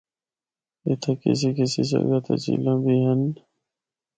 اِتھا کسی کسی جگہ تے جھیلاں بھی ہن۔